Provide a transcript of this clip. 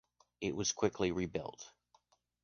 It was quickly rebuilt.